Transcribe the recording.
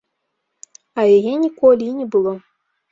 А яе ніколі і не было.